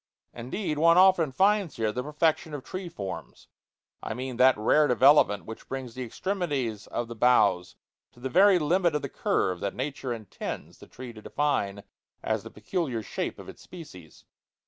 Indeed, one often finds here the perfection of tree forms. I mean that rare development which brings the extremities of the boughs to the very limit of the curve that nature intends the tree to define as the peculiar shape of its species.